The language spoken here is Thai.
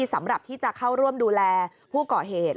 สำหรับที่จะเข้าร่วมดูแลผู้ก่อเหตุ